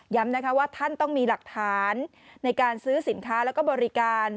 ว่าท่านต้องมีหลักฐานในการซื้อสินค้าแล้วก็บริการ